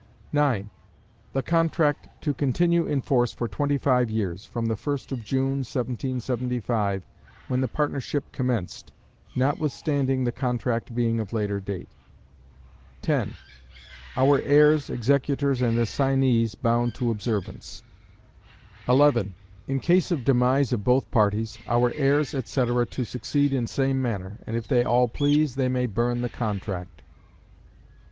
9. The contract to continue in force for twenty five years, from the 1st of June, 1775, when the partnership commenced, notwithstanding the contract being of later date. 10. Our heirs, executors and assignees bound to observance. 11. In case of demise of both parties, our heirs, etc., to succeed in same manner, and if they all please, they may burn the contract.